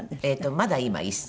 まだ今１歳。